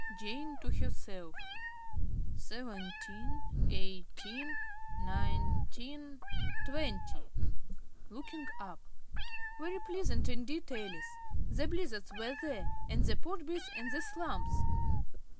~Jane~ (to herself). Seventeen, eighteen, nineteen, twenty. (Looking up.) Very pleasant indeed, Alice. The Blizzards were there, and the Podbys, and the Slumphs.